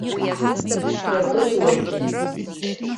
Иахыҵуазеи?